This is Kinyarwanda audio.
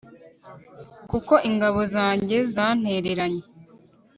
kuko ingabo zanjye zantereranye